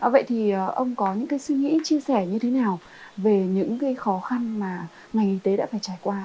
vậy thì ông có những cái suy nghĩ chia sẻ như thế nào về những khó khăn mà ngành y tế đã phải trải qua